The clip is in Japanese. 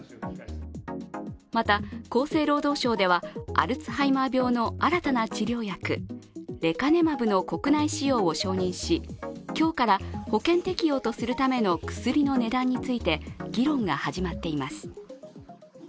また厚生労働省ではアルツハイマー病の新たな治療薬、レカネマブの国内使用を承認し、今日から保険適用とするための薬の値段について議論が始まっています。